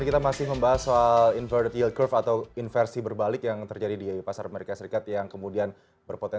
tahan kita jawab